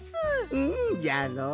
うんじゃろう。